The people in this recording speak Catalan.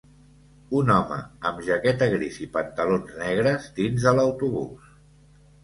Un home amb jaqueta gris i pantalons negres dins de l'autobús.